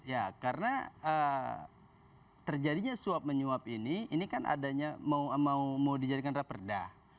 ya karena terjadinya suap menyuap ini ini kan adanya mau dijadikan raperda